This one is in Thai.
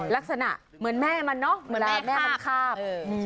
ลักษณะเหมือนแม่มันแม่มันคราบ